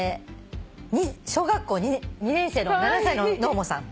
小学校２年生の７歳ののーもさん。